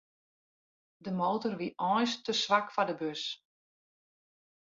De motor wie eink te swak foar de bus.